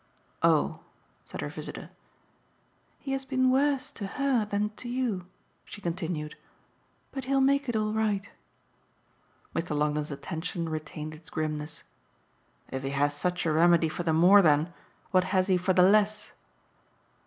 "Oh!" said her visitor. "He has been worse to her than to you," she continued. "But he'll make it all right." Mr. Longdon's attention retained its grimness. "If he has such a remedy for the more then, what has he for the less?"